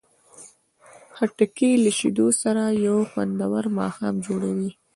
خټکی له شیدو سره یو خوندور ماښام جوړوي.